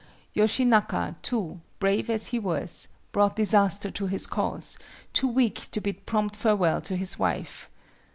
Yoshinaka, too, brave as he was, brought disaster to his cause, too weak to bid prompt farewell to his wife.